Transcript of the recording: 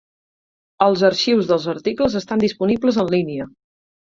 Els arxius dels articles estan disponibles en línia.